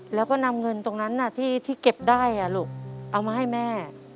แล้วก็นำเงินตรงนั้นที่เก็บได้ลูกเอามาให้แม่